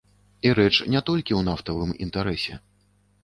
І рэч не толькі ў нафтавым інтарэсе.